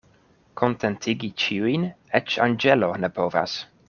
Kontentigi ĉiujn eĉ anĝelo ne povas.